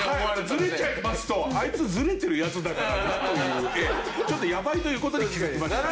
ずれちゃいますとあいつずれてるヤツだからなというちょっとやばいという事に気づきました。